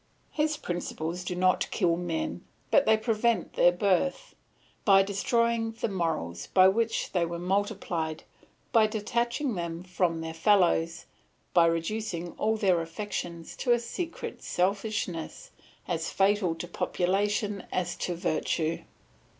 His principles do not kill men, but they prevent their birth, by destroying the morals by which they were multiplied, by detaching them from their fellows, by reducing all their affections to a secret selfishness, as fatal to population as to virtue.